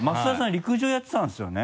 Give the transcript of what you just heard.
陸上やってたんですよね？